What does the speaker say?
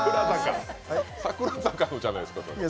櫻坂のじゃないですか、それは。